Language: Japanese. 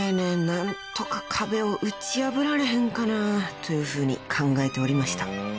何とか壁を打ち破られへんかなというふうに考えておりました］